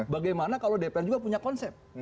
bagaimana kalau dpr juga punya konsep